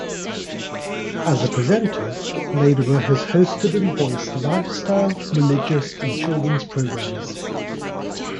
As a presenter, Lederer has hosted and voiced lifestyle, religious and children's programmes.